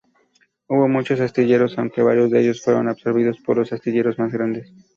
Hubo muchos astilleros, aunque varios de ellos fueron absorbidos por los astilleros más grandes.